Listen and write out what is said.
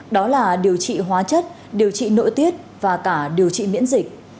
đó là điều trị hóa chất điều trị nội tiết và cả điều trị miễn dịch